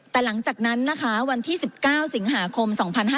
แต่หลังจากนั้นนะคะวันที่๑๙สิงหาคม๒๕๕๙